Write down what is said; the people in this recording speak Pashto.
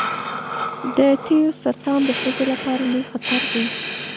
د تیو سرطان د ښځو لپاره لوی خطر دی.